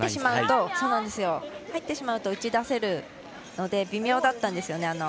入ってしまうと打ち出せるので微妙だったんですよね。